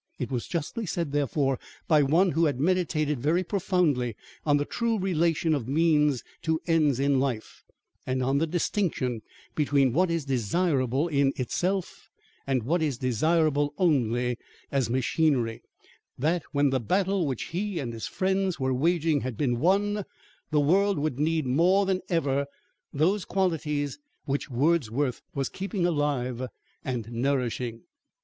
It was justly said, therefore, by one who had meditated very profoundly on the true relation of means to ends in life, and on the distinction between what is desirable in itself and what is desirable only as machinery, that when the battle which he and his friends were waging had been won, the world would need more than ever those qualities which Wordsworth was keeping alive and nourishing.